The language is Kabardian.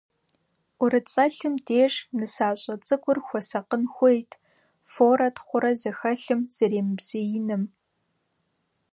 ӀурыцӀэлъым деж нысащӀэ цӀыкӀур хуэсакъын хуейт форэ-тхъурэ зэхэлъым зэремыбзеиным.